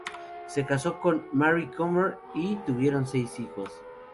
Se casó con Marie Kummer y tuvieron seis hijos.